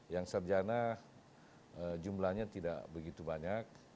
yang sarjana jumlahnya tidak begitu banyak